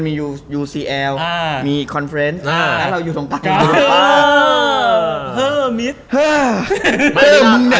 มียูซีแอลมีคอนเฟรนซ์แล้วเราอยู่ตรงปากกางเกง